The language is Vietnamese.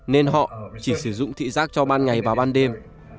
nên họ chỉ sử dụng thị giác cho ban ngày và ban đêm